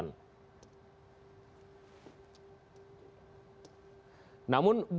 namun orangutan yang berwarna hijau muda adalah kawasan sebaran orangutan pada survei dua ribu empat